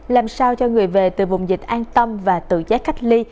làm sao cho người về từ vùng dịch an tâm và tự giác cách ly